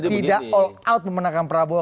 tidak all out memenangkan prabowo